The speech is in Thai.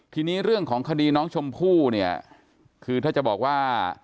ทีนี้เรื่องของคดีน้องชมพู่เนี่ยคือถ้าจะบอกว่า